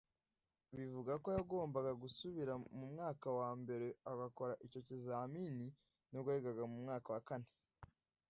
bivuga ko yagombaga gusubira mu mwaka wa mbere agakora icyo kizamini n’ubwo yigaga mu mwaka wa kane